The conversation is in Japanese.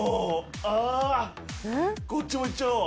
あぁこっちもいっちゃおう。